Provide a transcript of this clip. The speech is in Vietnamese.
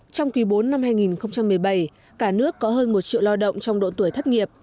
trong quý bốn năm hai nghìn một mươi bảy cả nước có hơn một triệu lao động trong độ tuổi thất nghiệp